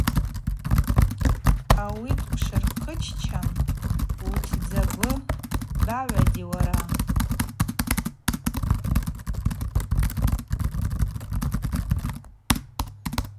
Ауи дпшвырхъыччан: – Утдзагвы багӏватӏи уара.